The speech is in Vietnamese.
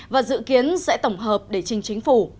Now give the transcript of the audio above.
và dự kiến sẽ tổng hợp để trình chính phủ